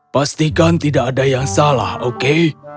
pastikan tidak ada yang salah oke